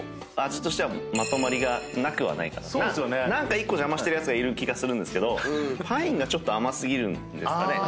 何か１個邪魔してるやついる気がするんですけどパインがちょっと甘過ぎるんですかね？